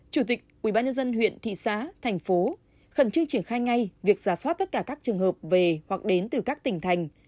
chủ tịch ubnd huyện thị xã thành phố khẩn trương triển khai ngay việc giả soát tất cả các trường hợp về hoặc đến từ các tỉnh thành